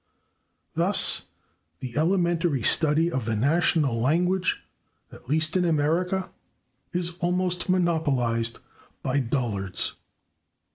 Thus the elementary study of the national language, at least in America, is almost monopolized by dullards.